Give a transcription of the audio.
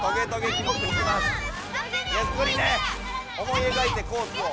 思いえがいてコースを。